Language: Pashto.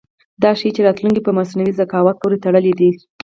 دا ښيي چې راتلونکی په مصنوعي ذکاوت پورې تړلی دی.